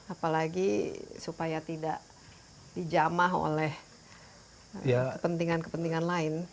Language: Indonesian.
apalagi supaya tidak dijamah oleh kepentingan kepentingan lain